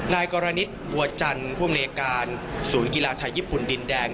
นายกรณิตบัวจันทร์ผู้อำนวยการศูนย์กีฬาไทยญี่ปุ่นดินแดง